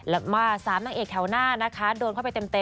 และมา๓นางเอกแถวหน้านะคะโดนเข้าไปเต็ม